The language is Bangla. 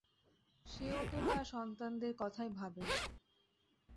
সেও তো তার সন্তানদের কথাই ভাবে।